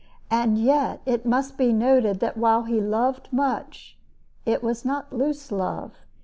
And yet it must be noted that while he loved much, it was not loose love.